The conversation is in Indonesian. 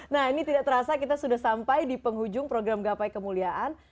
nah ini tidak terasa kita sudah sampai di penghujung program gapai kemuliaan